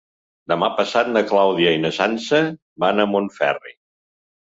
Demà passat na Clàudia i na Sança van a Montferri.